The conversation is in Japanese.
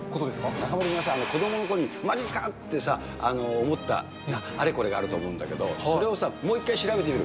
中丸君さん、子どものころにまじっすかって思った、あれこれがあると思うんだけど、それをさ、もう一回調べてみる。